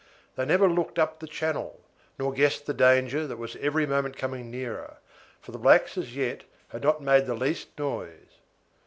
They never looked up the channel, nor guessed the danger that was every moment coming nearer, for the blacks as yet had not made the least noise.